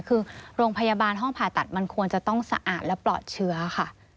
คือโรงพยาบาลห้องผ่าตัดมันควรจะต้องสะอาดและปลอดเชื้อค่ะ